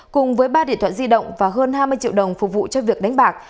cùng với ba điện thoại di động và hơn hai mươi triệu đồng phục vụ cho việc đánh bạc